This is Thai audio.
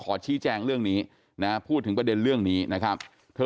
ชี้แจงเรื่องนี้นะพูดถึงประเด็นเรื่องนี้นะครับเธอ